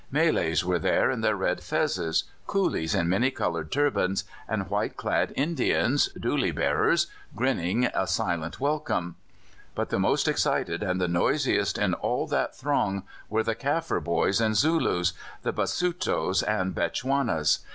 Malays were there in their red fezes, coolies in many coloured turbans, and white clad Indians, dhoolie bearers, grinning a silent welcome. But the most excited and the noisiest in all that throng were the Kaffir boys and Zulus, the Basutos and Bechuanas.